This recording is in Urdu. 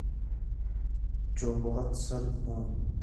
جو بہت سرد ہوں